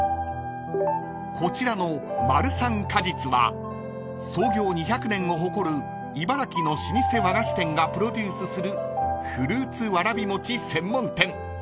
［こちらのまるさんかじつは創業２００年を誇る茨城の老舗和菓子店がプロデュースするフルーツわらび餅専門店］